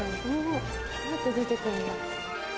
どうやって出てくるんだろ？